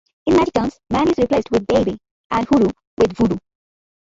In "Magic Dance," "man" is replaced with "babe" and "hoodoo" with "voodoo".